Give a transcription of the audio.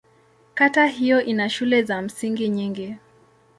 Kata hiyo ina shule za msingi nyingi.